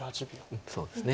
うんそうですね。